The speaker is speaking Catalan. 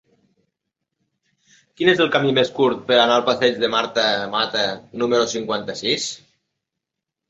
Quin és el camí més curt per anar al passeig de Marta Mata número cinquanta-sis?